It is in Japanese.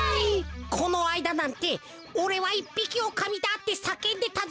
このあいだなんて「おれはいっぴきおおかみだ！」ってさけんでたぜ。